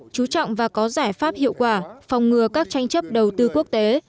chú trọng và có giải pháp hiệu quả phòng ngừa các tranh chấp đầu tư quốc tế